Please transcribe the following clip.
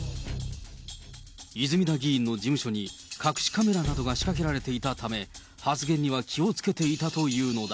泉田議員の事務所に、隠しカメラなどが仕掛けられていたため、発言には気をつけていたというのだ。